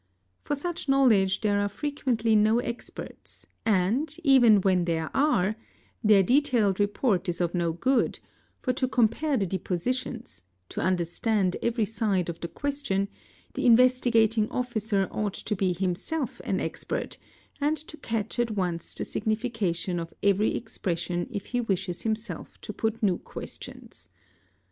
For such knowledge there are frequently no experts and, even when there are, their detailed report is of no good, for to compare the depositions, to understand every side of the question, the Investigating Officer ought to be himself an expert, and to catch at once the signification of every expression if he wishes himself to put new questions.